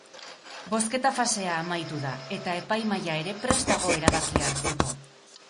Bozketa-fasea amaitu da, eta epaimahaia ere prest dago erabakia hartzeko.